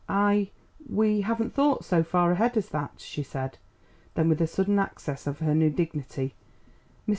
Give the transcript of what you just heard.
"I we haven't thought so far ahead as that," she said. Then with a sudden access of her new dignity. "Mr.